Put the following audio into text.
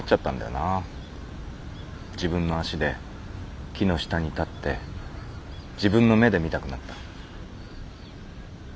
自分の足で木の下に立って自分の目で見たくなった。